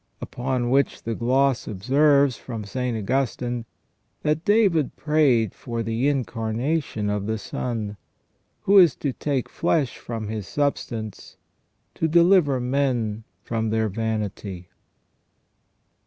" Upon which the Gloss observes from St. Augustine, that David prayed for the Incarnation of the Son, who is to take flesh from his substance to deliver men from their vanity.